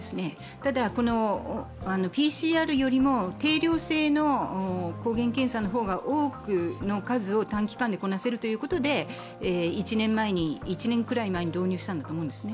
ただ、ＰＣＲよりも定量制の抗原検査の方が多く短期間にこなせるということで１年くらい前に導入したんだと思うんですね。